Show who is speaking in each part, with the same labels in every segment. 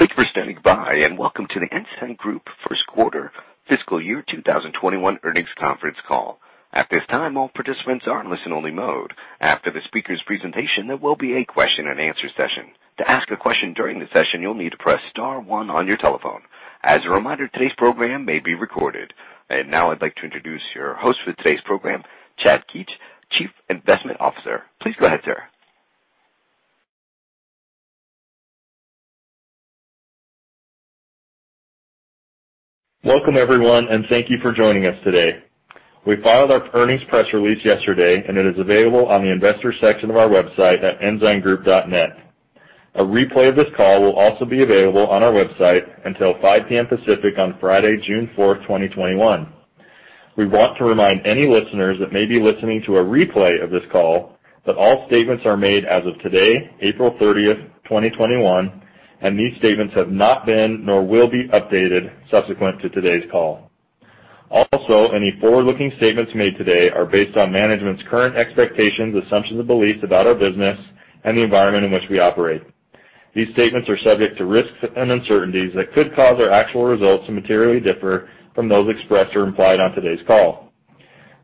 Speaker 1: Thank you for standing by, and welcome to The Ensign Group first quarter fiscal year 2021 earnings conference call. At this time, all participants are in listen only mode. After the speaker's presentation, there will be a question and answer session. To ask a question during the session, you'll need to press star one on your telephone. As a reminder, today's program may be recorded. Now I'd like to introduce your host for today's program, Chad Keetch, Chief Investment Officer. Please go ahead, sir.
Speaker 2: Welcome, everyone, and thank you for joining us today. We filed our earnings press release yesterday, and it is available on the investor section of our website at ensigngroup.net. A replay of this call will also be available on our website until 5:00 P.M. Pacific on Friday, June 4, 2021. We want to remind any listeners that may be listening to a replay of this call that all statements are made as of today, April 30th, 2021, and these statements have not been, nor will be, updated subsequent to today's call. Any forward-looking statements made today are based on management's current expectations, assumptions, and beliefs about our business and the environment in which we operate. These statements are subject to risks and uncertainties that could cause our actual results to materially differ from those expressed or implied on today's call.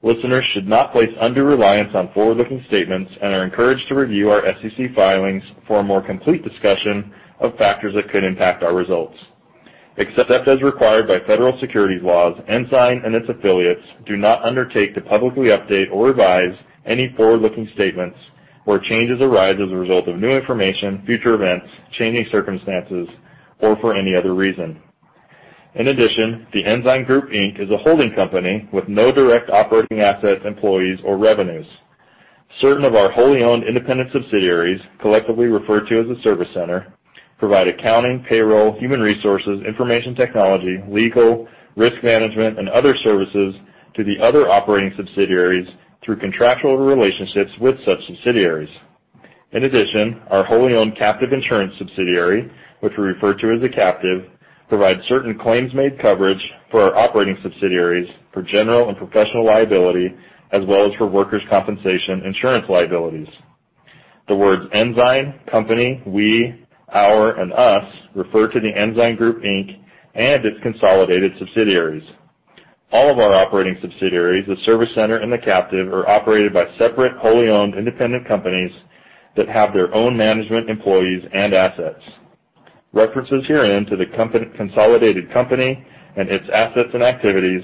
Speaker 2: Listeners should not place undue reliance on forward-looking statements and are encouraged to review our SEC filings for a more complete discussion of factors that could impact our results. Except as required by federal securities laws, Ensign and its affiliates do not undertake to publicly update or revise any forward-looking statements where changes arise as a result of new information, future events, changing circumstances, or for any other reason. In addition, The Ensign Group, Inc. is a holding company with no direct operating assets, employees, or revenues. Certain of our wholly owned independent subsidiaries, collectively referred to as a service center, provide accounting, payroll, human resources, information technology, legal, risk management, and other services to the other operating subsidiaries through contractual relationships with such subsidiaries. In addition, our wholly owned captive insurance subsidiary, which we refer to as the captive, provides certain claims-made coverage for our operating subsidiaries for general and professional liability, as well as for workers' compensation insurance liabilities. The words Ensign, company, we, our, and us refer to The Ensign Group Inc. and its consolidated subsidiaries. All of our operating subsidiaries, the service center, and the captive are operated by separate wholly owned independent companies that have their own management, employees, and assets. References herein to the consolidated company and its assets and activities,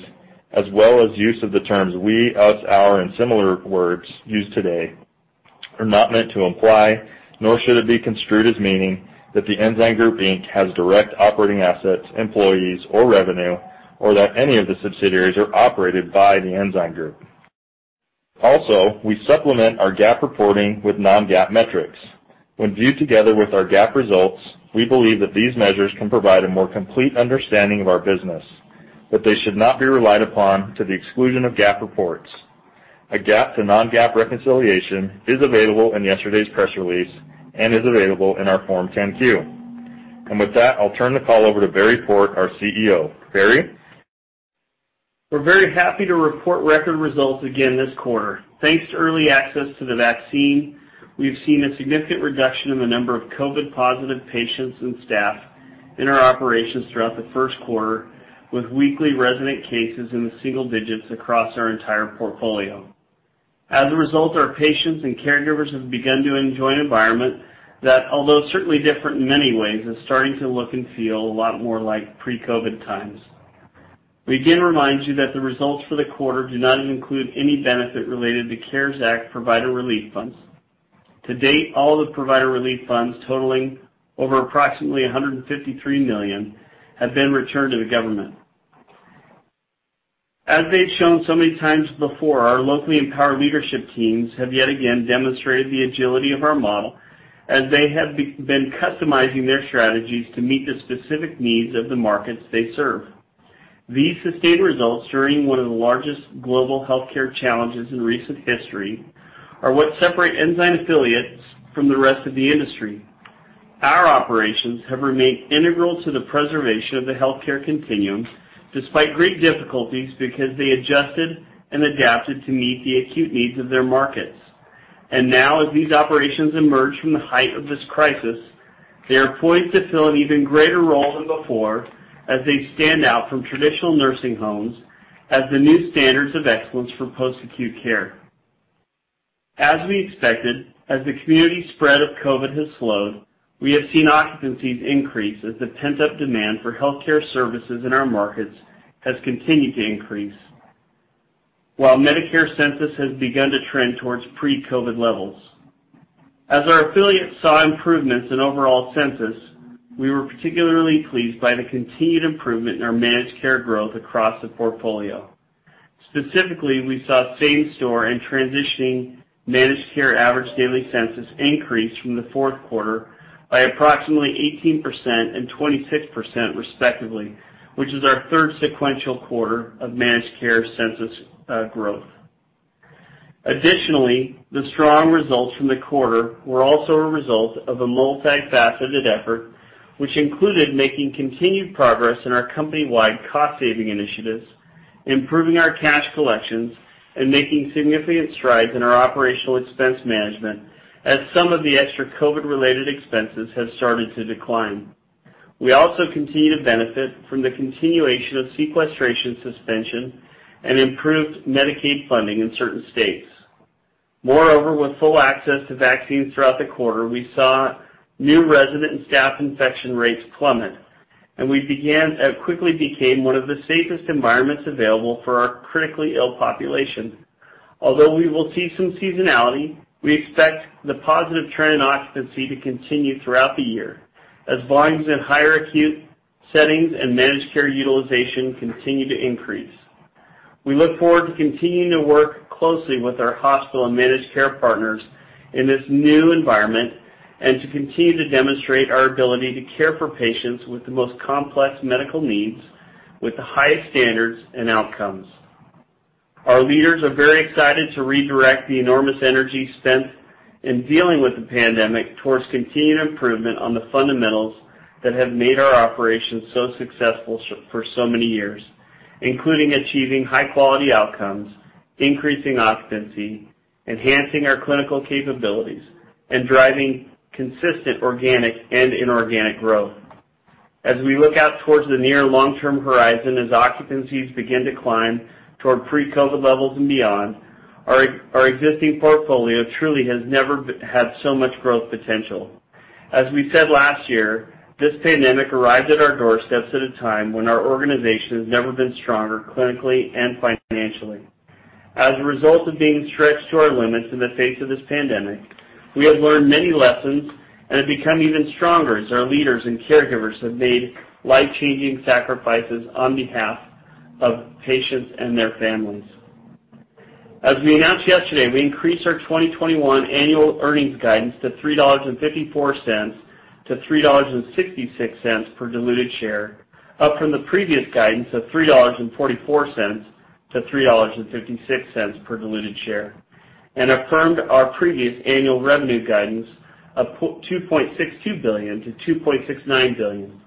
Speaker 2: as well as use of the terms we, us, our, and similar words used today are not meant to imply, nor should it be construed as meaning, that The Ensign Group Inc. has direct operating assets, employees, or revenue, or that any of the subsidiaries are operated by The Ensign Group. Also, we supplement our GAAP reporting with non-GAAP metrics. When viewed together with our GAAP results, we believe that these measures can provide a more complete understanding of our business, but they should not be relied upon to the exclusion of GAAP reports. A GAAP to non-GAAP reconciliation is available in yesterday's press release and is available in our Form 10-Q. With that, I'll turn the call over to Barry Port, our CEO. Barry?
Speaker 3: We're very happy to report record results again this quarter. Thanks to early access to the vaccine, we've seen a significant reduction in the number of COVID positive patients and staff in our operations throughout the first quarter, with weekly resident cases in the single digits across our entire portfolio. As a result, our patients and caregivers have begun to enjoy an environment that, although certainly different in many ways, is starting to look and feel a lot more like pre-COVID times. We again remind you that the results for the quarter do not include any benefit related to CARES Act provider relief funds. To date, all the provider relief funds, totaling over approximately $153 million, have been returned to the government. As they've shown so many times before, our locally empowered leadership teams have yet again demonstrated the agility of our model as they have been customizing their strategies to meet the specific needs of the markets they serve. These sustained results during one of the largest global healthcare challenges in recent history are what separate Ensign affiliates from the rest of the industry. Our operations have remained integral to the preservation of the healthcare continuum despite great difficulties because they adjusted and adapted to meet the acute needs of their markets. Now, as these operations emerge from the height of this crisis, they are poised to fill an even greater role than before as they stand out from traditional nursing homes as the new standards of excellence for post-acute care. As we expected, as the community spread of COVID has slowed, we have seen occupancies increase as the pent-up demand for healthcare services in our markets has continued to increase while Medicare census has begun to trend towards pre-COVID levels. As our affiliates saw improvements in overall census, we were particularly pleased by the continued improvement in our managed care growth across the portfolio. Specifically, we saw same-store and transitioning managed care average daily census increase from the fourth quarter by approximately 18% and 26%, respectively, which is our third sequential quarter of managed care census growth. Additionally, the strong results from the quarter were also a result of a multifaceted effort, which included making continued progress in our company-wide cost-saving initiatives, improving our cash collections and making significant strides in our operational expense management, as some of the extra COVID-related expenses have started to decline. We also continue to benefit from the continuation of sequestration suspension and improved Medicaid funding in certain states. With full access to vaccines throughout the quarter, we saw new resident and staff infection rates plummet, and we quickly became one of the safest environments available for our critically ill population. We will see some seasonality, we expect the positive trend in occupancy to continue throughout the year, as volumes in higher acute settings and managed care utilization continue to increase. We look forward to continuing to work closely with our hospital and managed care partners in this new environment and to continue to demonstrate our ability to care for patients with the most complex medical needs with the highest standards and outcomes. Our leaders are very excited to redirect the enormous energy spent in dealing with the pandemic towards continued improvement on the fundamentals that have made our operations so successful for so many years, including achieving high-quality outcomes, increasing occupancy, enhancing our clinical capabilities, and driving consistent organic and inorganic growth. As we look out towards the near long-term horizon, as occupancies begin to climb toward pre-COVID levels and beyond, our existing portfolio truly has never had so much growth potential. As we said last year, this pandemic arrived at our doorsteps at a time when our organization has never been stronger, clinically and financially. As a result of being stretched to our limits in the face of this pandemic, we have learned many lessons and have become even stronger as our leaders and caregivers have made life-changing sacrifices on behalf of patients and their families. As we announced yesterday, we increased our 2021 annual earnings guidance to $3.54-$3.66 per diluted share, up from the previous guidance of $3.44-$3.56 per diluted share, and affirmed our previous annual revenue guidance of $2.62 billion-$2.69 billion.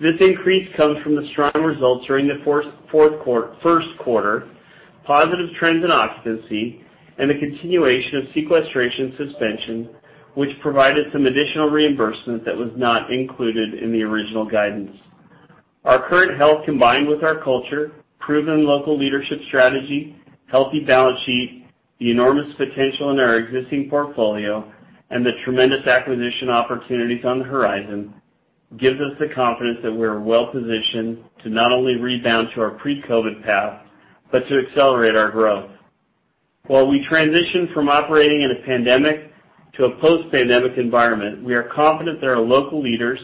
Speaker 3: This increase comes from the strong results during the first quarter, positive trends in occupancy, and the continuation of sequestration suspension, which provided some additional reimbursement that was not included in the original guidance. Our current health, combined with our culture, proven local leadership strategy, healthy balance sheet, the enormous potential in our existing portfolio, and the tremendous acquisition opportunities on the horizon, gives us the confidence that we are well-positioned to not only rebound to our pre-COVID path, but to accelerate our growth. While we transition from operating in a pandemic to a post-pandemic environment, we are confident that our local leaders,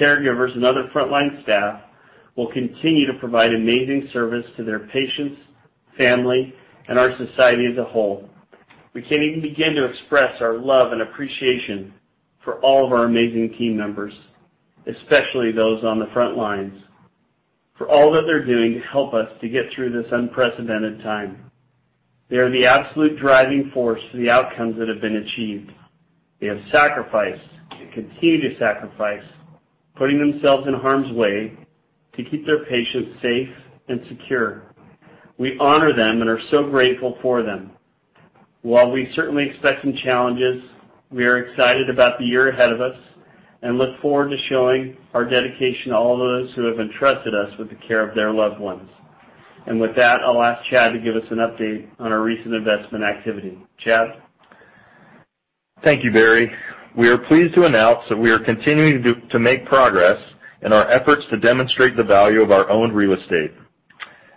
Speaker 3: caregivers, and other frontline staff will continue to provide amazing service to their patients, family, and our society as a whole. We can't even begin to express our love and appreciation for all of our amazing team members, especially those on the front lines, for all that they're doing to help us to get through this unprecedented time. They are the absolute driving force for the outcomes that have been achieved. They have sacrificed. They continue to sacrifice, putting themselves in harm's way to keep their patients safe and secure. We honor them and are so grateful for them. While we certainly expect some challenges, we are excited about the year ahead of us and look forward to showing our dedication to all those who have entrusted us with the care of their loved ones. With that, I'll ask Chad to give us an update on our recent investment activity. Chad?
Speaker 2: Thank you, Barry. We are pleased to announce that we are continuing to make progress in our efforts to demonstrate the value of our owned real estate.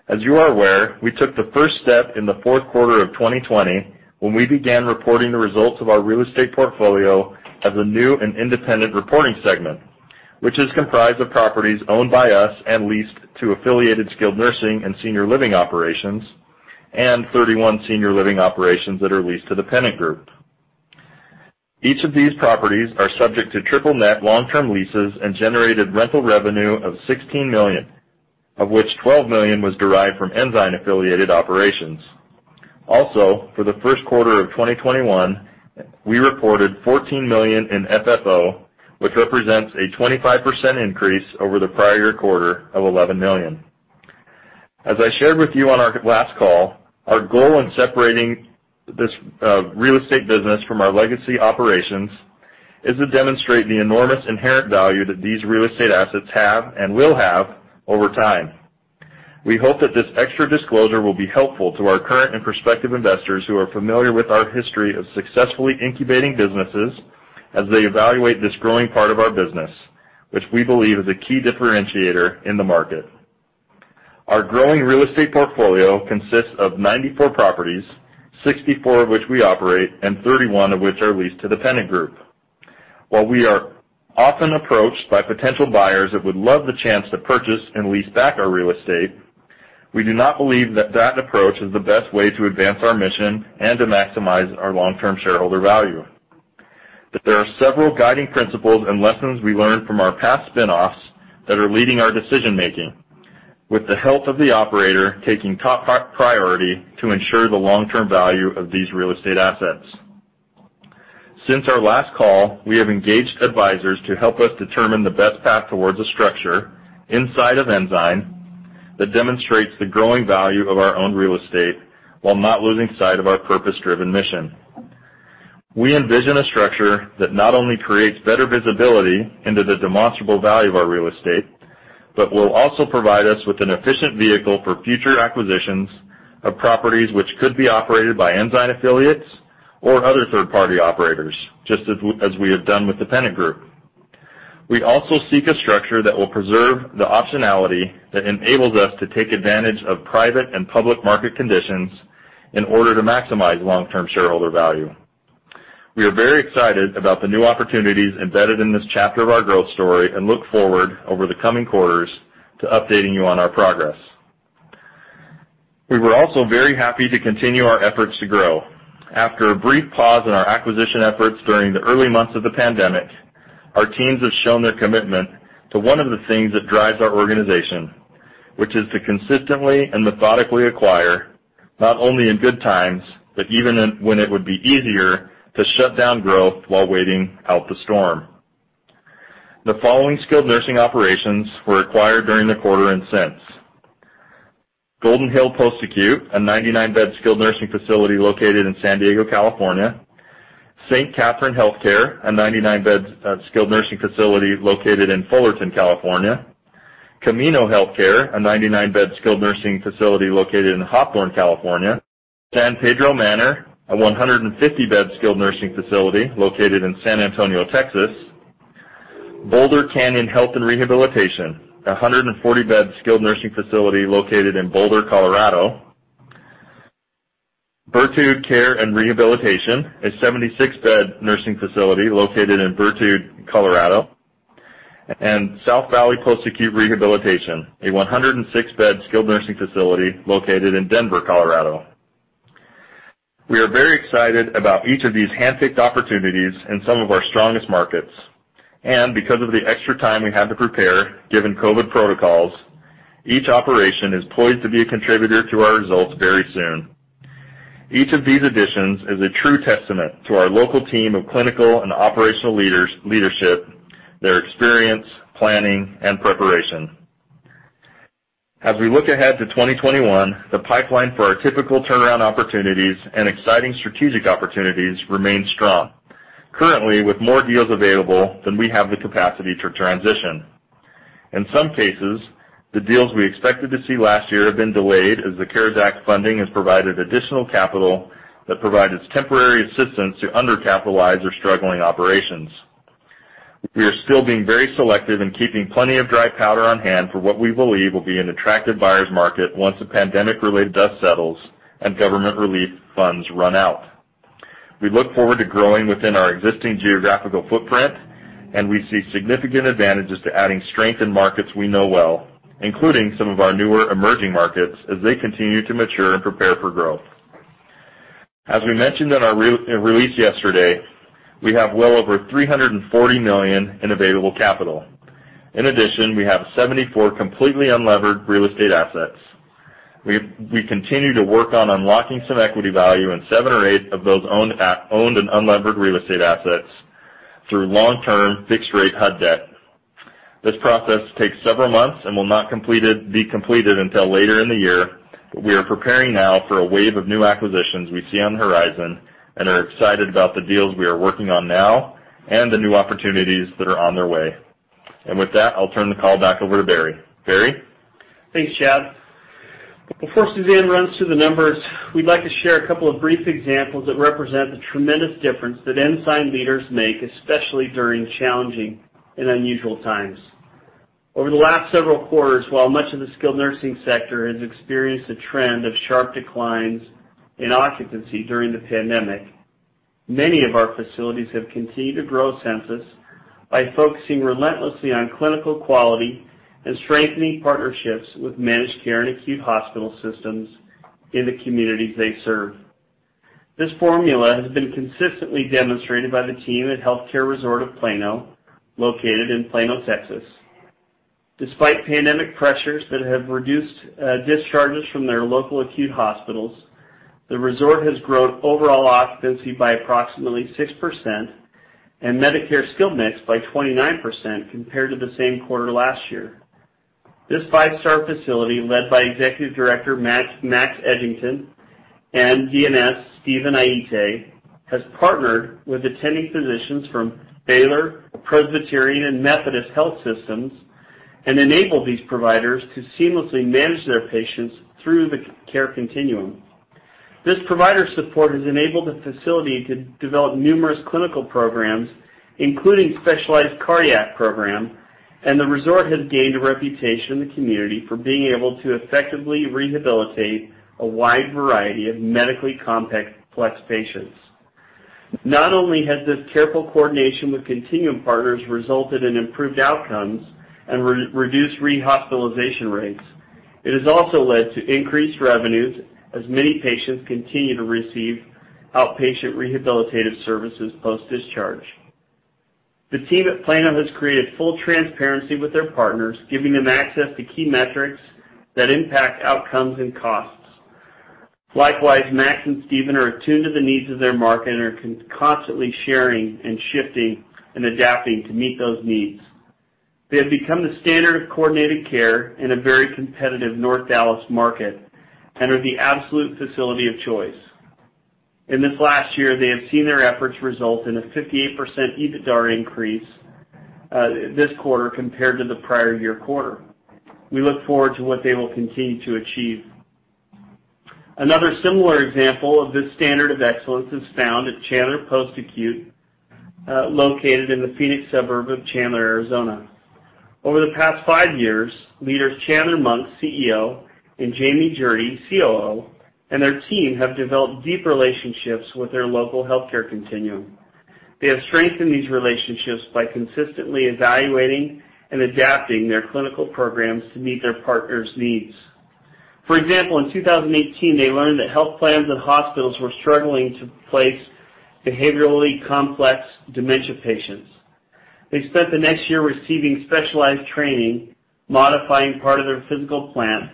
Speaker 2: As you are aware, we took the first step in the fourth quarter of 2020, when we began reporting the results of our real estate portfolio as a new and independent reporting segment, which is comprised of properties owned by us and leased to affiliated skilled nursing and senior living operations, and 31 senior living operations that are leased to The Pennant Group. Each of these properties are subject to triple-net long-term leases and generated rental revenue of $16 million, of which $12 million was derived from Ensign affiliated operations. For the first quarter of 2021, we reported $14 million in FFO, which represents a 25% increase over the prior quarter of $11 million. As I shared with you on our last call, our goal in separating this real estate business from our legacy operations is to demonstrate the enormous inherent value that these real estate assets have and will have over time. We hope that this extra disclosure will be helpful to our current and prospective investors who are familiar with our history of successfully incubating businesses as they evaluate this growing part of our business, which we believe is a key differentiator in the market. Our growing real estate portfolio consists of 94 properties, 64 of which we operate, and 31 of which are leased to The Pennant Group. While we are often approached by potential buyers that would love the chance to purchase and lease back our real estate, we do not believe that that approach is the best way to advance our mission and to maximize our long-term shareholder value. There are several guiding principles and lessons we learned from our past spin-offs that are leading our decision-making, with the health of the operator taking top priority to ensure the long-term value of these real estate assets. Since our last call, we have engaged advisors to help us determine the best path towards a structure inside of Ensign that demonstrates the growing value of our own real estate while not losing sight of our purpose-driven mission. We envision a structure that not only creates better visibility into the demonstrable value of our real estate, but will also provide us with an efficient vehicle for future acquisitions of properties which could be operated by Ensign affiliates or other third-party operators, just as we have done with The Pennant Group. We also seek a structure that will preserve the optionality that enables us to take advantage of private and public market conditions in order to maximize long-term shareholder value. We are very excited about the new opportunities embedded in this chapter of our growth story and look forward over the coming quarters to updating you on our progress. We were also very happy to continue our efforts to grow. After a brief pause in our acquisition efforts during the early months of the pandemic, our teams have shown their commitment to one of the things that drives our organization, which is to consistently and methodically acquire not only in good times, but even when it would be easier to shut down growth while waiting out the storm. The following skilled nursing operations were acquired during the quarter and since. Golden Hill Post Acute, a 99-bed skilled nursing facility located in San Diego, California. St. Catherine Healthcare, a 99-bed skilled nursing facility located in Fullerton, California. Camino Healthcare, a 99-bed skilled nursing facility located in Hawthorne, California. San Pedro Manor, a 150-bed skilled nursing facility located in San Antonio, Texas. Boulder Canyon Health and Rehabilitation, a 140-bed skilled nursing facility located in Boulder, Colorado. Verdure Care and Rehabilitation, a 76-bed nursing facility located in Verdure, Colorado. South Valley Post Acute Rehabilitation, a 106-bed skilled nursing facility located in Denver, Colorado. We are very excited about each of these handpicked opportunities in some of our strongest markets. Because of the extra time we had to prepare, given COVID protocols, each operation is poised to be a contributor to our results very soon. Each of these additions is a true testament to our local team of clinical and operational leadership, their experience, planning, and preparation. As we look ahead to 2021, the pipeline for our typical turnaround opportunities and exciting strategic opportunities remains strong, currently with more deals available than we have the capacity to transition. In some cases, the deals we expected to see last year have been delayed as the CARES Act funding has provided additional capital that provides temporary assistance to under-capitalized or struggling operations. We are still being very selective in keeping plenty of dry powder on hand for what we believe will be an attractive buyer's market once the pandemic-related dust settles and government relief funds run out. We look forward to growing within our existing geographical footprint. We see significant advantages to adding strength in markets we know well, including some of our newer emerging markets, as they continue to mature and prepare for growth. As we mentioned in our release yesterday, we have well over $340 million in available capital. In addition, we have 74 completely unlevered real estate assets. We continue to work on unlocking some equity value in seven or eight of those owned and unlevered real estate assets through long-term fixed rate HUD debt. This process takes several months and will not be completed until later in the year. We are preparing now for a wave of new acquisitions we see on the horizon. We are excited about the deals we are working on now and the new opportunities that are on their way. With that, I'll turn the call back over to Barry. Barry?
Speaker 3: Thanks, Chad. Before Suzanne runs through the numbers, we'd like to share a couple of brief examples that represent the tremendous difference that Ensign leaders make, especially during challenging and unusual times. Over the last several quarters, while much of the skilled nursing sector has experienced a trend of sharp declines in occupancy during the pandemic, many of our facilities have continued to grow census by focusing relentlessly on clinical quality and strengthening partnerships with managed care and acute hospital systems in the communities they serve. This formula has been consistently demonstrated by the team at The Healthcare Resort of Plano, located in Plano, Texas. Despite pandemic pressures that have reduced discharges from their local acute hospitals, the resort has grown overall occupancy by approximately 6% and Medicare skill mix by 29% compared to the same quarter last year. This five-star facility, led by Executive Director Max Edington and DNS [Steven Ayite], has partnered with attending physicians from Baylor, Presbyterian, and Methodist Health System and enabled these providers to seamlessly manage their patients through the care continuum. This provider support has enabled the facility to develop numerous clinical programs, including specialized cardiac program, and the resort has gained a reputation in the community for being able to effectively rehabilitate a wide variety of medically complex patients. Not only has this careful coordination with continuum partners resulted in improved outcomes and reduced rehospitalization rates, it has also led to increased revenues as many patients continue to receive outpatient rehabilitative services post-discharge. The team at Plano has created full transparency with their partners, giving them access to key metrics that impact outcomes and costs. Likewise, Max and Steven are attuned to the needs of their market and are constantly sharing and shifting and adapting to meet those needs. They have become the standard of coordinated care in a very competitive North Dallas market and are the absolute facility of choice. In this last year, they have seen their efforts result in a 58% EBITDAR increase this quarter compared to the prior year quarter. We look forward to what they will continue to achieve. Another similar example of this standard of excellence is found at Chandler Post Acute, located in the Phoenix suburb of Chandler, Arizona. Over the past five years, leaders Chandler Monks, CEO, and Jamie Jurdy, COO, and their team have developed deep relationships with their local healthcare continuum. They have strengthened these relationships by consistently evaluating and adapting their clinical programs to meet their partners' needs. For example, in 2018, they learned that health plans and hospitals were struggling to place behaviorally complex dementia patients. They spent the next year receiving specialized training, modifying part of their physical plan,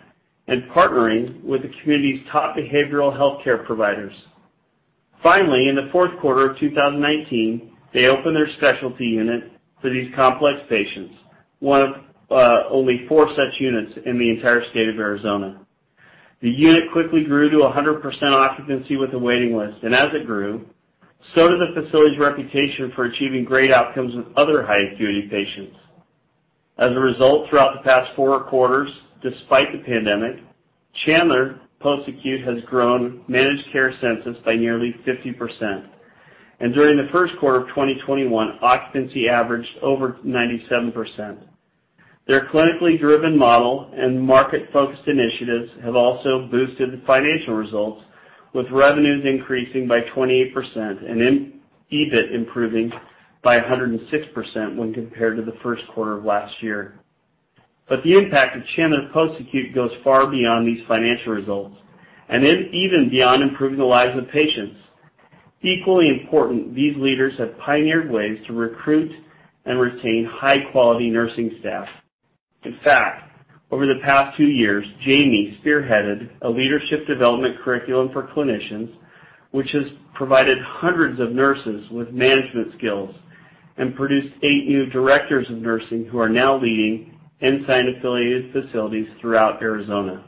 Speaker 3: and partnering with the community's top behavioral healthcare providers. Finally, in the fourth quarter of 2019, they opened their specialty unit for these complex patients, one of only four such units in the entire state of Arizona. The unit quickly grew to 100% occupancy with a waiting list, and as it grew, so did the facility's reputation for achieving great outcomes with other high acuity patients. As a result, throughout the past four quarters, despite the pandemic, Chandler Post Acute has grown managed care census by nearly 50%. During the first quarter of 2021, occupancy averaged over 97%. Their clinically driven model and market-focused initiatives have also boosted the financial results, with revenues increasing by 28% and EBIT improving by 106% when compared to the first quarter of last year. The impact of Chandler Post Acute goes far beyond these financial results, and even beyond improving the lives of patients. Equally important, these leaders have pioneered ways to recruit and retain high-quality nursing staff. In fact, over the past two years, Jamie spearheaded a leadership development curriculum for clinicians, which has provided hundreds of nurses with management skills and produced eight new directors of nursing who are now leading Ensign affiliate facilities throughout Arizona.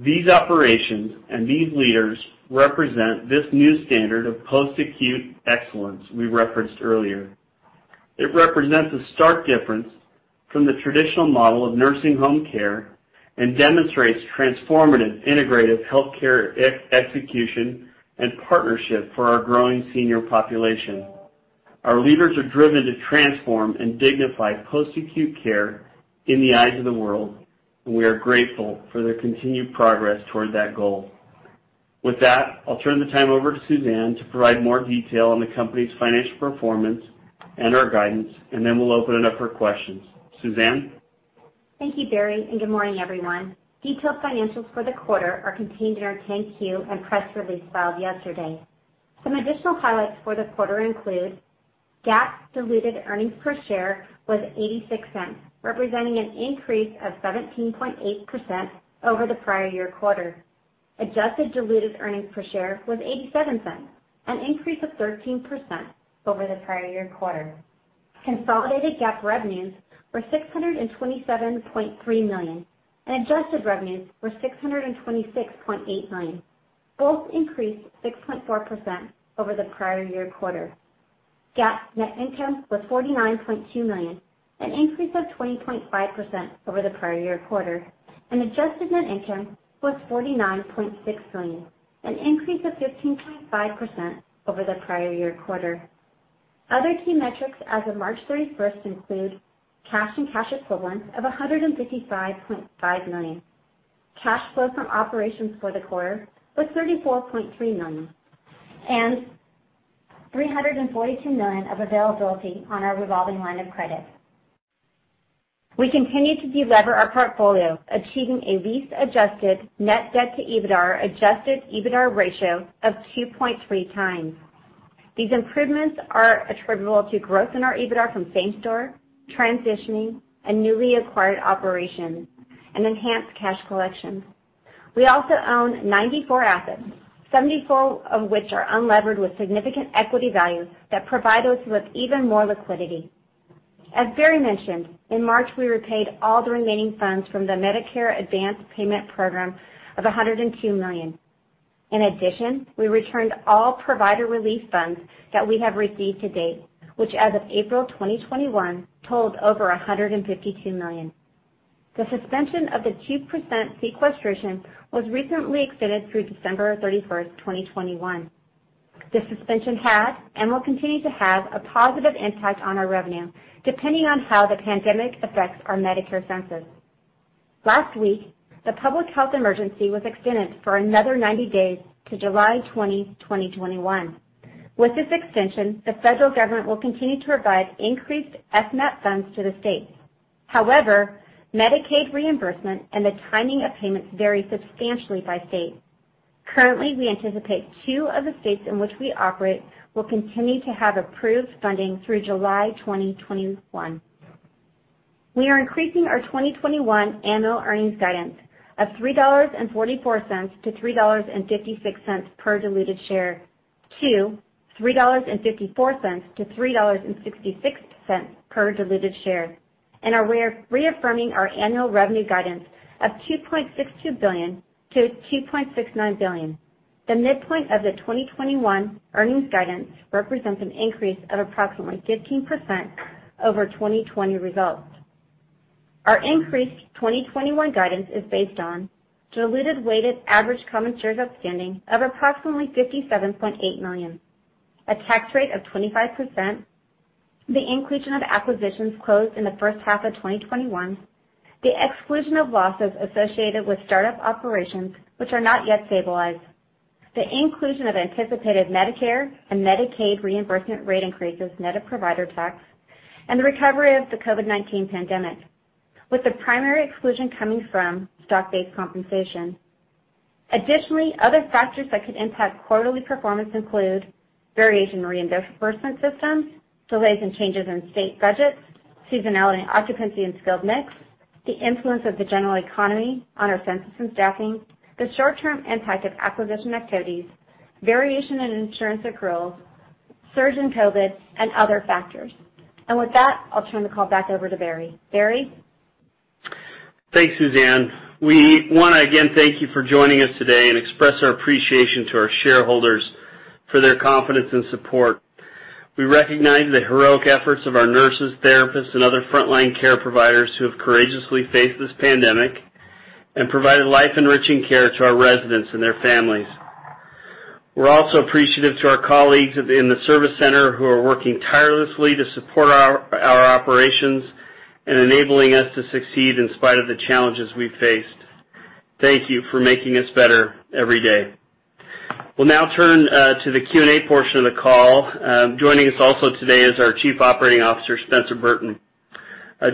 Speaker 3: These operations and these leaders represent this new standard of post-acute excellence we referenced earlier. It represents a stark difference from the traditional model of nursing home care and demonstrates transformative, integrative healthcare execution and partnership for our growing senior population. Our leaders are driven to transform and dignify post-acute care in the eyes of the world, and we are grateful for their continued progress toward that goal. With that, I'll turn the time over to Suzanne to provide more detail on the company's financial performance and our guidance, and then we'll open it up for questions. Suzanne?
Speaker 4: Thank you, Barry, and good morning, everyone. Detailed financials for the quarter are contained in our 10-Q and press release filed yesterday. Some additional highlights for the quarter include GAAP diluted earnings per share was $0.86, representing an increase of 17.8% over the prior year quarter. Adjusted diluted earnings per share was $0.87, an increase of 13% over the prior year quarter. Consolidated GAAP revenues were $627.3 million, and adjusted revenues were $626.8 million, both increased 6.4% over the prior year quarter. GAAP net income was $49.2 million, an increase of 20.5% over the prior year quarter, and adjusted net income was $49.6 million, an increase of 15.5% over the prior year quarter. Other key metrics as of March 31st include cash and cash equivalents of $155.5 million. Cash flow from operations for the quarter was $34.3 million, and $342 million of availability on our revolving line of credit. We continue to delever our portfolio, achieving a lease-adjusted net debt to EBITDA, adjusted EBITDA ratio of 2.3x. These improvements are attributable to growth in our EBITDA from same store, transitioning, and newly acquired operations, and enhanced cash collection. We also own 94 assets, 74 of which are unlevered with significant equity value that provide us with even more liquidity. As Barry mentioned, in March, we repaid all the remaining funds from the Medicare Advanced Payment program of $102 million. In addition, we returned all provider relief funds that we have received to date, which as of April 2021, totaled over $152 million. The suspension of the 2% sequestration was recently extended through December 31st, 2021. The suspension had, and will continue to have, a positive impact on our revenue, depending on how the pandemic affects our Medicare census. Last week, the public health emergency was extended for another 90 days to July 20, 2021. With this extension, the federal government will continue to provide increased FMAP funds to the states. Medicaid reimbursement and the timing of payments vary substantially by state. Currently, we anticipate two of the states in which we operate will continue to have approved funding through July 2021. We are increasing our 2021 annual earnings guidance of $3.44-$3.56 per diluted share to $3.54-$3.66 per diluted share, and are reaffirming our annual revenue guidance of $2.62 billion-$2.69 billion. The midpoint of the 2021 earnings guidance represents an increase of approximately 15% over 2020 results. Our increased 2021 guidance is based on diluted weighted average common shares outstanding of approximately 57.8 million, a tax rate of 25%, the inclusion of acquisitions closed in the first half of 2021, the exclusion of losses associated with startup operations which are not yet stabilized, the inclusion of anticipated Medicare and Medicaid reimbursement rate increases net of provider tax, and the recovery of the COVID-19 pandemic, with the primary exclusion coming from stock-based compensation. Additionally, other factors that could impact quarterly performance include variation in reimbursement systems, delays in changes in state budgets, seasonality in occupancy and skilled mix, the influence of the general economy on our census and staffing, the short-term impact of acquisition activities, variation in insurance accruals, surge in COVID, and other factors. With that, I'll turn the call back over to Barry. Barry?
Speaker 3: Thanks, Suzanne. We want to, again, thank you for joining us today and express our appreciation to our shareholders for their confidence and support. We recognize the heroic efforts of our nurses, therapists, and other frontline care providers who have courageously faced this pandemic and provided life-enriching care to our residents and their families. We're also appreciative to our colleagues in the service center who are working tirelessly to support our operations and enabling us to succeed in spite of the challenges we've faced. Thank you for making us better every day. We'll now turn to the Q&A portion of the call. Joining us also today is our Chief Operating Officer, Spencer Burton.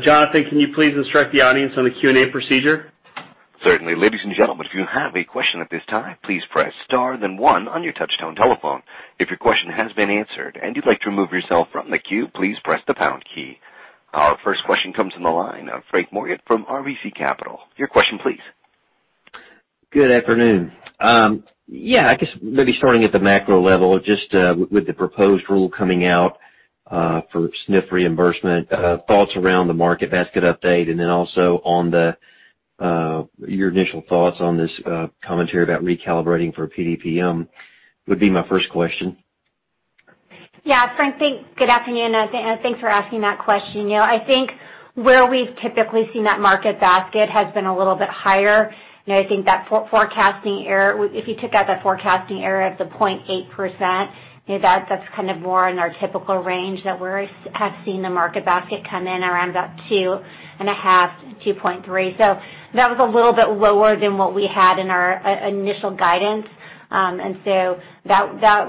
Speaker 3: Jonathan, can you please instruct the audience on the Q&A procedure?
Speaker 1: Certainly. Ladies and gentlemen, if you have a question at this time, please press star then one on your touchtone telephone. If your question has been answered and you'd like to remove yourself from the queue, please press the pound key. Our first question comes from the line of Frank Morgan from RBC Capital Markets. Your question please.
Speaker 5: Good afternoon. Yeah, I guess maybe starting at the macro level, just with the proposed rule coming out for SNF reimbursement, thoughts around the market basket update, and then also your initial thoughts on this commentary about recalibrating for PDPM would be my first question.
Speaker 4: Yeah, Frank, thanks. Good afternoon, thanks for asking that question. I think where we've typically seen that market basket has been a little bit higher. I think that forecasting error, if you took out that forecasting error of the 0.8%, that's more in our typical range that we're seeing the market basket come in around that 2.5, 2.3. That was a little bit lower than what we had in our initial guidance. That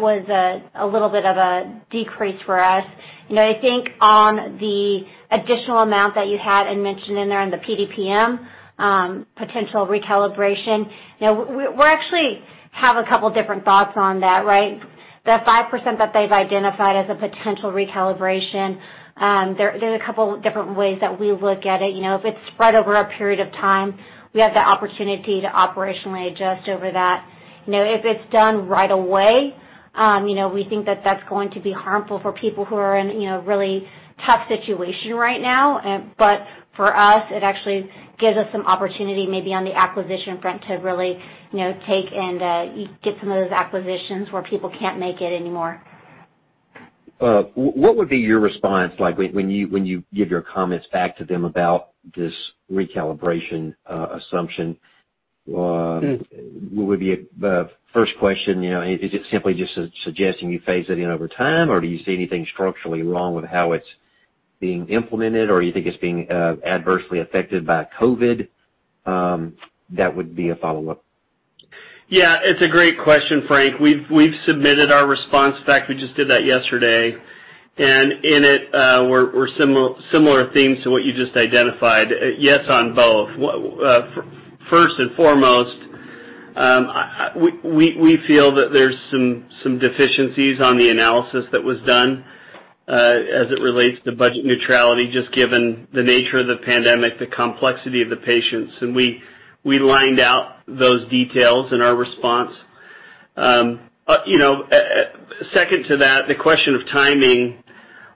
Speaker 4: was a little bit of a decrease for us. I think on the additional amount that you had and mentioned in there on the PDPM potential recalibration, we actually have a couple different thoughts on that, right? The 5% that they've identified as a potential recalibration, there's a couple different ways that we look at it. If it's spread over a period of time, we have the opportunity to operationally adjust over that. If it's done right away, we think that that's going to be harmful for people who are in a really tough situation right now. For us, it actually gives us some opportunity maybe on the acquisition front to really take and get some of those acquisitions where people can't make it anymore.
Speaker 5: What would be your response, when you give your comments back to them about this recalibration assumption, what would be first question, is it simply just suggesting you phase it in over time, or do you see anything structurally wrong with how it's being implemented, or you think it's being adversely affected by COVID? That would be a follow-up.
Speaker 3: Yeah, it's a great question, Frank. We've submitted our response. In fact, we just did that yesterday. In it, were similar themes to what you just identified. Yes on both. First and foremost, we feel that there's some deficiencies on the analysis that was done, as it relates to budget neutrality, just given the nature of the pandemic, the complexity of the patients, and we lined out those details in our response. Second to that, the question of timing.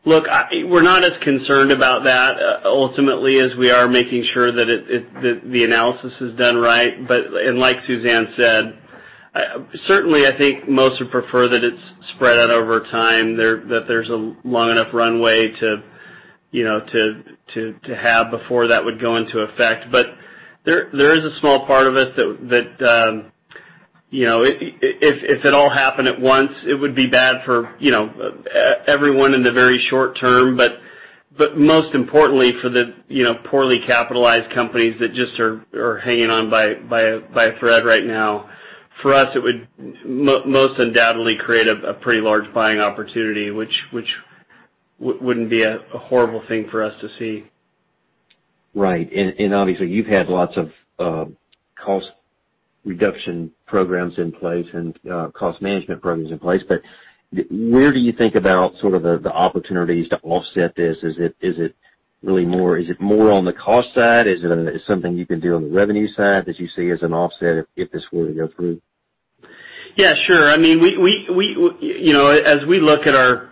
Speaker 3: Look, we're not as concerned about that ultimately as we are making sure that the analysis is done right. Like Suzanne said, certainly I think most would prefer that it's spread out over time, that there's a long enough runway to have before that would go into effect. There is a small part of us that, if it all happened at once, it would be bad for everyone in the very short term, but most importantly for the poorly capitalized companies that just are hanging on by a thread right now. For us, it would most undoubtedly create a pretty large buying opportunity, which wouldn't be a horrible thing for us to see.
Speaker 5: Right. Obviously, you've had lots of cost reduction programs in place and cost management programs in place, but where do you think about the opportunities to offset this? Is it more on the cost side? Is it something you can do on the revenue side that you see as an offset if this were to go through?
Speaker 3: Yeah, sure. As we look at our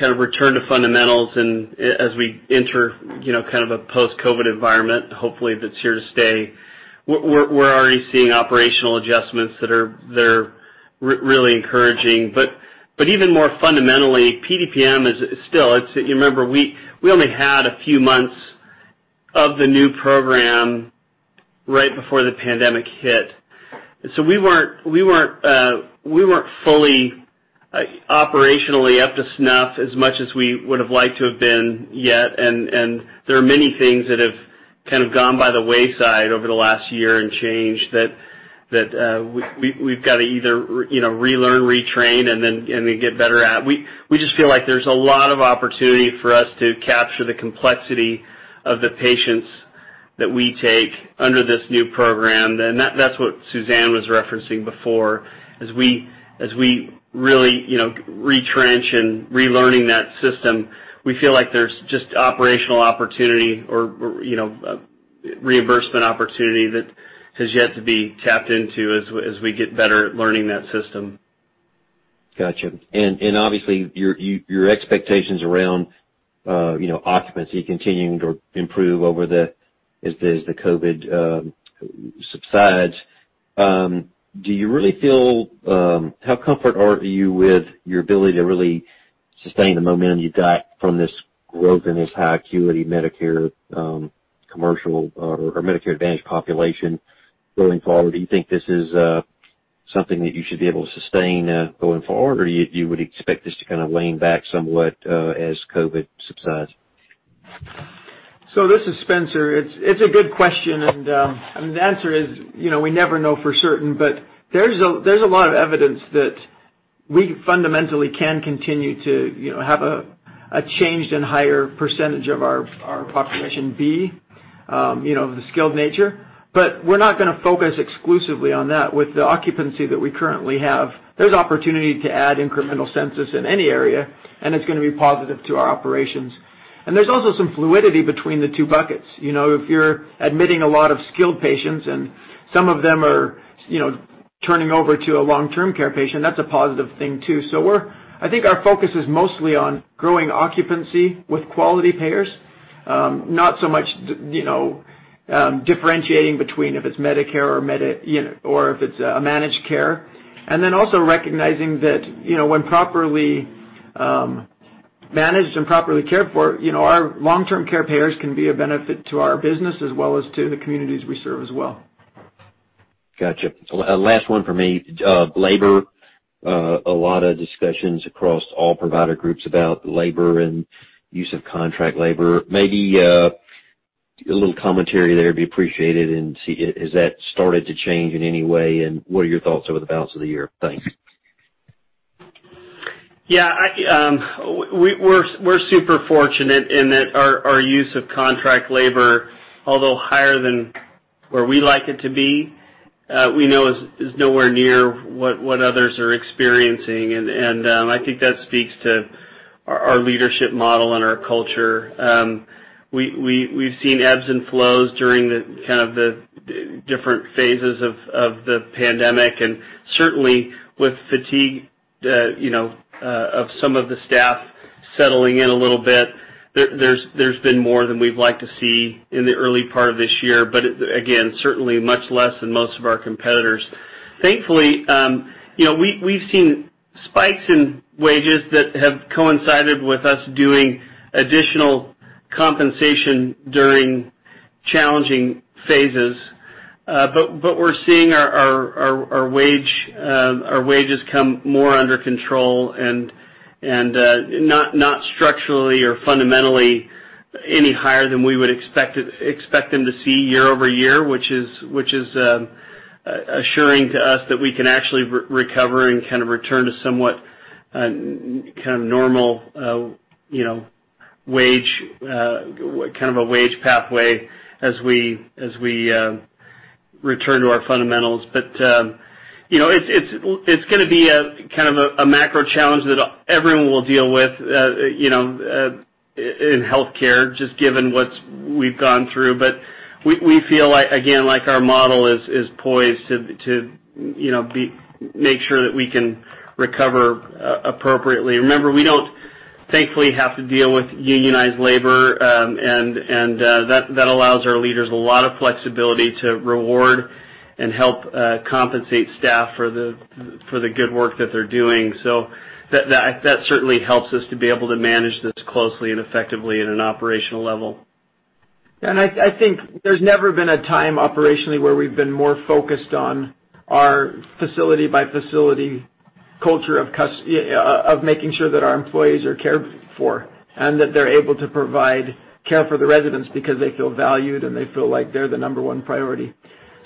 Speaker 3: return to fundamentals and as we enter a post-COVID environment, hopefully that's here to stay, we're already seeing operational adjustments that are really encouraging. Even more fundamentally, PDPM. You remember, we only had a few months of the new program right before the pandemic hit. We weren't fully operationally up to snuff as much as we would've liked to have been yet, and there are many things that have gone by the wayside over the last year and change that we've got to either relearn, retrain, and then get better at. We just feel like there's a lot of opportunity for us to capture the complexity of the patients that we take under this new program. That's what Suzanne was referencing before. As we really retrench and relearning that system, we feel like there's just operational opportunity or reimbursement opportunity that has yet to be tapped into as we get better at learning that system.
Speaker 5: Got you. Obviously, your expectations around occupancy continuing to improve as the COVID subsides. How comfortable are you with your ability to really sustain the momentum you got from this growth in this high acuity Medicare commercial or Medicare Advantage population going forward? Do you think this is something that you should be able to sustain going forward, or you would expect this to wane back somewhat, as COVID subsides?
Speaker 6: This is Spencer. It's a good question, and the answer is, we never know for certain. There's a lot of evidence that we fundamentally can continue to have a changed and higher percentage of our population be of the skilled nature. We're not going to focus exclusively on that. With the occupancy that we currently have, there's opportunity to add incremental census in any area, and it's going to be positive to our operations. There's also some fluidity between the two buckets. If you're admitting a lot of skilled patients and some of them are turning over to a long-term care patient, that's a positive thing, too. I think our focus is mostly on growing occupancy with quality payers. Not so much differentiating between if it's Medicare or if it's a managed care. Also recognizing that when properly managed and properly cared for, our long-term care payers can be a benefit to our business as well as to the communities we serve as well.
Speaker 5: Got you. Last one from me. Labor. A lot of discussions across all provider groups about labor and use of contract labor. Maybe a little commentary there would be appreciated and see, has that started to change in any way, and what are your thoughts over the balance of the year? Thanks.
Speaker 3: Yeah. We're super fortunate in that our use of contract labor, although higher than where we like it to be, we know is nowhere near what others are experiencing. I think that speaks to our leadership model and our culture. We've seen ebbs and flows during the different phases of the pandemic, and certainly with fatigue of some of the staff settling in a little bit, there's been more than we'd like to see in the early part of this year. Again, certainly much less than most of our competitors. Thankfully, we've seen spikes in wages that have coincided with us doing additional compensation during challenging phases. We're seeing our wages come more under control and not structurally or fundamentally any higher than we would expect them to see year-over-year, which is assuring to us that we can actually recover and return to somewhat normal wage pathway as we return to our fundamentals. It's going to be a macro challenge that everyone will deal with in healthcare, just given what we've gone through. We feel, again, like our model is poised to make sure that we can recover appropriately. Remember, we don't, thankfully, have to deal with unionized labor, and that allows our leaders a lot of flexibility to reward and help compensate staff for the good work that they're doing. That certainly helps us to be able to manage this closely and effectively at an operational level.
Speaker 6: I think there's never been a time operationally where we've been more focused on our facility-by-facility culture of making sure that our employees are cared for, and that they're able to provide care for the residents because they feel valued and they feel like they're the number one priority.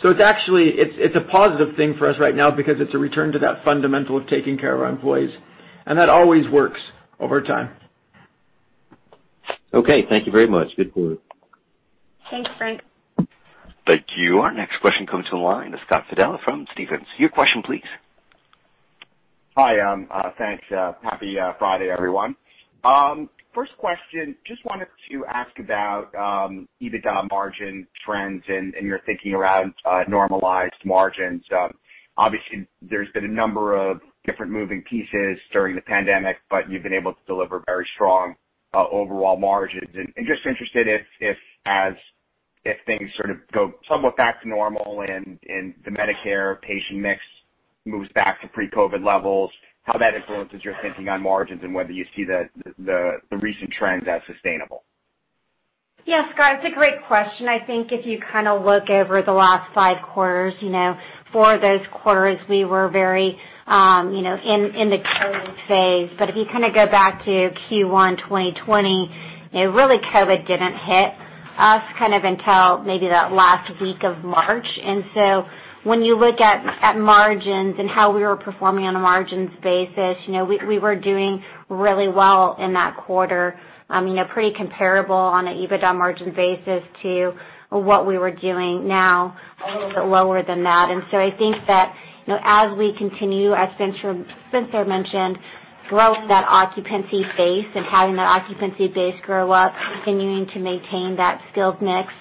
Speaker 6: It's actually a positive thing for us right now because it's a return to that fundamental of taking care of our employees. That always works over time.
Speaker 5: Okay, thank you very much. Good quarter.
Speaker 4: Thanks, Frank.
Speaker 1: Thank you. Our next question comes from the line of Scott Fidel from Stephens. Your question, please.
Speaker 7: Hi. Thanks. Happy Friday, everyone. First question, just wanted to ask about EBITDA margin trends and your thinking around normalized margins. Obviously, there's been a number of different moving pieces during the pandemic, but you've been able to deliver very strong overall margins. Just interested if things sort of go somewhat back to normal and the Medicare patient mix moves back to pre-COVID levels, how that influences your thinking on margins and whether you see the recent trends as sustainable.
Speaker 4: Yeah, Scott, it's a great question. I think if you look over the last five quarters, for those quarters, we were very in the COVID phase. If you go back to Q1 2020, really COVID didn't hit us until maybe that last week of March. When you look at margins and how we were performing on a margins basis, we were doing really well in that quarter. Pretty comparable on an EBITDA margin basis to what we were doing now, a little bit lower than that. I think that, as we continue, as Spencer mentioned, grow that occupancy base and having that occupancy base grow up, continuing to maintain that skilled mix,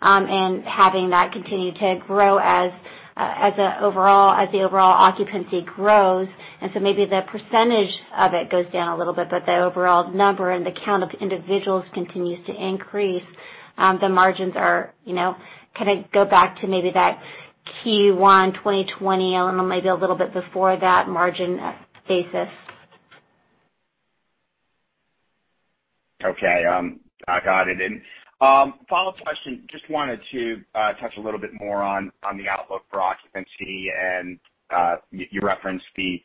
Speaker 4: and having that continue to grow as the overall occupancy grows. Maybe the percentage of it goes down a little bit, but the overall number and the count of individuals continues to increase. The margins go back to maybe that Q1 2020, maybe a little bit before that margin basis.
Speaker 7: Okay. I got it. Follow-up question, just wanted to touch a little bit more on the outlook for occupancy and you referenced the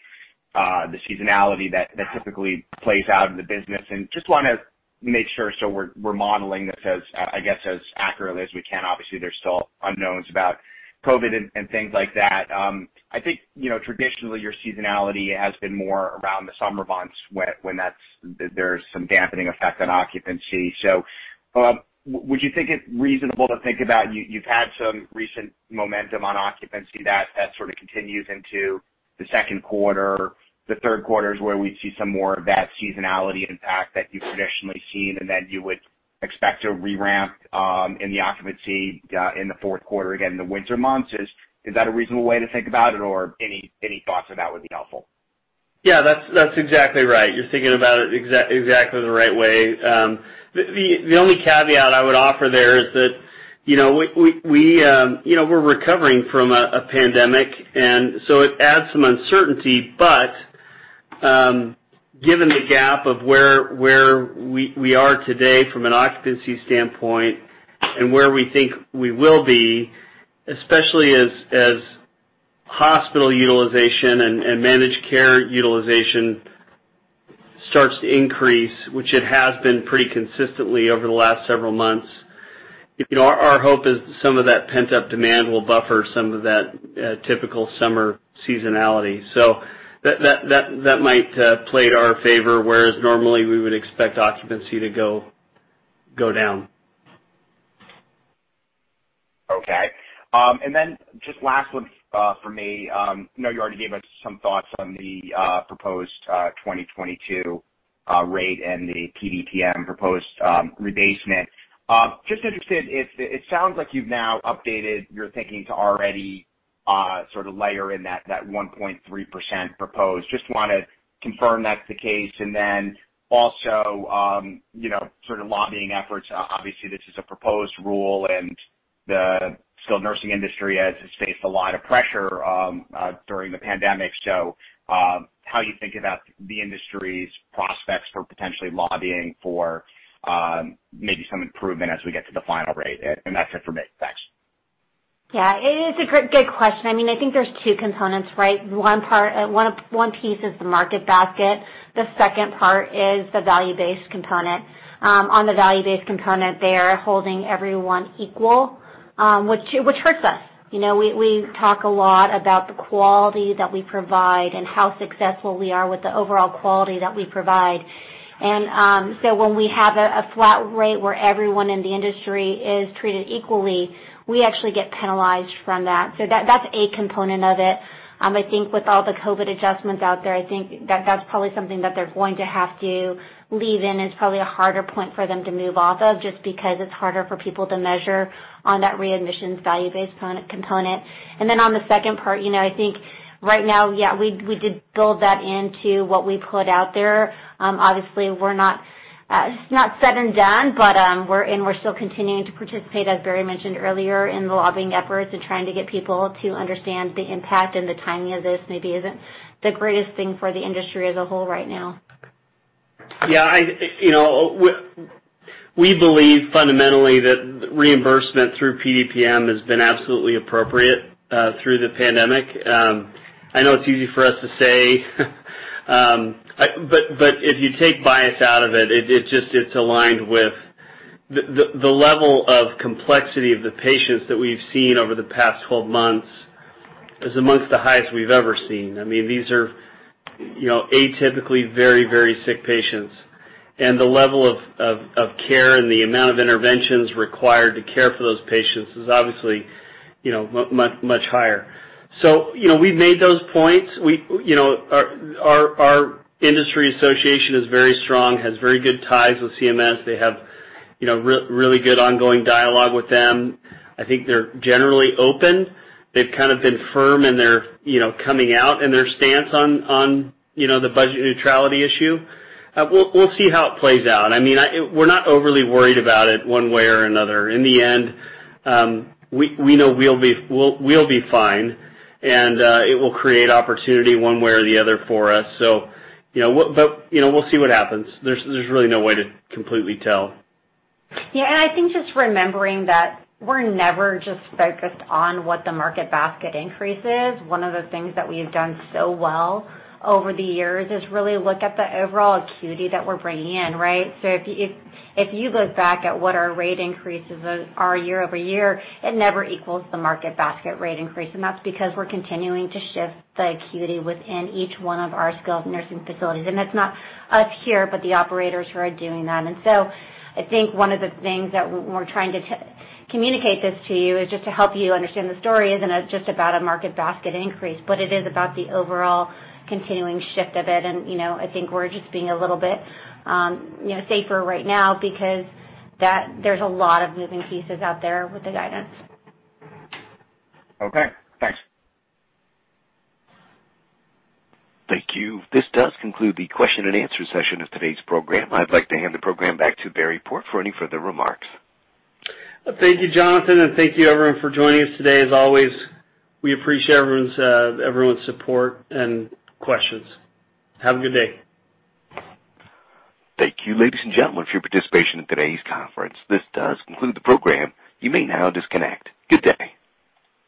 Speaker 7: seasonality that typically plays out in the business, and just wanna make sure we're modeling this, I guess, as accurately as we can. Obviously, there's still unknowns about COVID and things like that. I think traditionally your seasonality has been more around the summer months when there's some dampening effect on occupancy. Would you think it reasonable to think about, you've had some recent momentum on occupancy that sort of continues into the second quarter, the third quarter is where we'd see some more of that seasonality impact that you've traditionally seen, and then you would expect to re-ramp in the occupancy, in the fourth quarter again in the winter months? Is that a reasonable way to think about it or any thoughts on that would be helpful?
Speaker 3: Yeah, that's exactly right. You're thinking about it exactly the right way. The only caveat I would offer there is that we're recovering from a pandemic, and so it adds some uncertainty. Given the gap of where we are today from an occupancy standpoint and where we think we will be, especially as hospital utilization and managed care utilization starts to increase, which it has been pretty consistently over the last several months. Our hope is that some of that pent-up demand will buffer some of that typical summer seasonality. That might play to our favor, whereas normally we would expect occupancy to go down.
Speaker 7: Okay. Just last one for me. I know you already gave us some thoughts on the proposed 2022 rate and the PDPM proposed rebasement. Just interested if, it sounds like you've now updated your thinking to already sort of layer in that 1.3% proposed. Just want to confirm that's the case, also, sort of lobbying efforts. Obviously, this is a proposed rule, and the skilled nursing industry has faced a lot of pressure during the pandemic. How you think about the industry's prospects for potentially lobbying for maybe some improvement as we get to the final rate? That's it for me. Thanks.
Speaker 4: Yeah, it is a good question. I think there's two components, right? One piece is the market basket. The second part is the value-based component. On the value-based component, they are holding everyone equal, which hurts us. We talk a lot about the quality that we provide and how successful we are with the overall quality that we provide. When we have a flat rate where everyone in the industry is treated equally, we actually get penalized from that. That's a component of it. I think with all the COVID adjustments out there, I think that that's probably something that they're going to have to leave in. It's probably a harder point for them to move off of just because it's harder for people to measure on that readmissions value-based component. On the second part, I think right now, we did build that into what we put out there. Obviously, it's not said and done, but we're still continuing to participate, as Barry mentioned earlier, in the lobbying efforts and trying to get people to understand the impact and the timing of this maybe isn't the greatest thing for the industry as a whole right now.
Speaker 3: We believe fundamentally that reimbursement through PDPM has been absolutely appropriate through the pandemic. I know it's easy for us to say, but if you take bias out of it's aligned with. The level of complexity of the patients that we've seen over the past 12 months is amongst the highest we've ever seen. These are atypically very sick patients. The level of care and the amount of interventions required to care for those patients is obviously much higher. We've made those points. Our industry association is very strong, has very good ties with CMS. They have really good ongoing dialogue with them. I think they're generally open. They've kind of been firm, and they're coming out in their stance on the budget neutrality issue. We'll see how it plays out. We're not overly worried about it one way or another. In the end, we know we'll be fine, and it will create opportunity one way or the other for us. We'll see what happens. There's really no way to completely tell.
Speaker 4: I think just remembering that we're never just focused on what the market basket increase is. One of the things that we've done so well over the years is really look at the overall acuity that we're bringing in, right? If you look back at what our rate increases are year-over-year, it never equals the market basket rate increase. That's because we're continuing to shift the acuity within each one of our skilled nursing facilities. It's not us here, but the operators who are doing that. I think one of the things that we're trying to communicate this to you is just to help you understand the story isn't just about a market basket increase, but it is about the overall continuing shift of it. I think we're just being a little bit safer right now because there's a lot of moving pieces out there with the guidance.
Speaker 7: Okay, thanks.
Speaker 1: Thank you. This does conclude the question and answer session of today's program. I'd like to hand the program back to Barry Port for any further remarks.
Speaker 3: Thank you, Jonathan, and thank you everyone for joining us today. As always, we appreciate everyone's support and questions. Have a good day.
Speaker 1: Thank you, ladies and gentlemen, for your participation in today's conference. This does conclude the program. You may now disconnect. Good day.